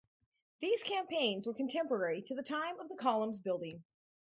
These campaigns were contemporary to the time of the Column's building.